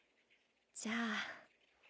じゃあ。